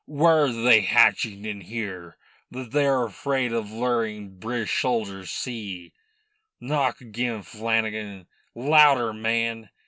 "Wharra they hatching in here that they are afraid of lerring Bri'ish soldiers see? Knock again, Flanagan. Louder, man!"